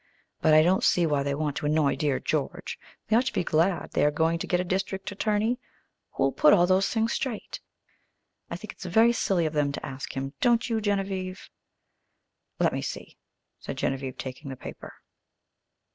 But I don't see why they want to annoy dear George. They ought to be glad they are going to get a district attorney who'll put all those things straight. I think it's very silly of them to ask him, don't you, Genevieve?" "Let me see," said Genevieve, taking the paper.